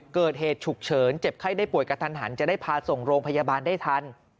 เกิดเหตุฉุกเฉินเจ็บไข้ได้ป่วยกระทันหันจะได้พาส่งโรงพยาบาลได้ทัน